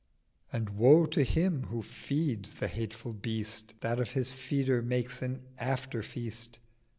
'And woe to him who feeds the hateful Beast That of his Feeder makes an after feast!